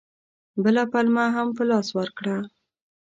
بله پلمه هم په لاس ورکړه.